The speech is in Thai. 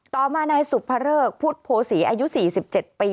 ต่อมานายสุภเริกพุทธโภษีอายุ๔๗ปี